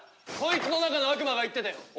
こいつの中の悪魔が言ってたよ。